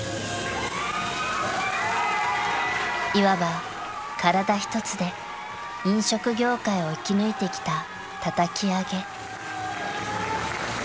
［いわば体一つで飲食業界を生き抜いてきたたたき上げ］